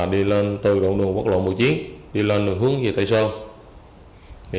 đi lên từ đường bắc lộ mùa chiến đi lên đường hướng về tây sơn